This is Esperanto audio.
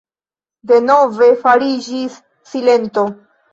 Denove fariĝis silento.